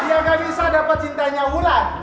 dia gak bisa dapat cintanya ulang